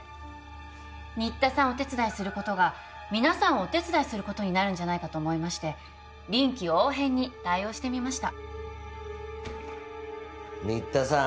新田さんをお手伝いすることが皆さんをお手伝いすることになるんじゃないかと思いまして臨機応変に対応してみました新田さん